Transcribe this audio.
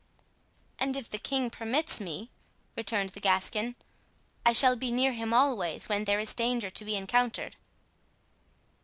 "And if the king permits me," returned the Gascon, "I shall be near him always when there is danger to be encountered."